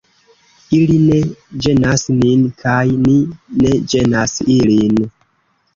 Ili ne ĝenas nin, kaj ni ne ĝenas ilin.